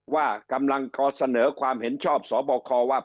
ว่ากำลังขอเสนอความเห็นชอบสบคว่า